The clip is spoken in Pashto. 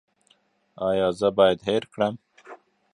ایا زه باید هیر کړم؟